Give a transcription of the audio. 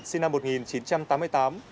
sinh năm một nghìn chín trăm tám mươi tám